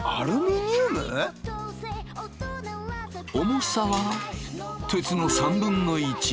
重さは鉄の３分の１。